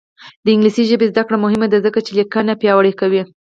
د انګلیسي ژبې زده کړه مهمه ده ځکه چې لیکنه پیاوړې کوي.